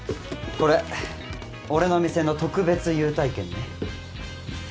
これ俺の店の特別優待券ね。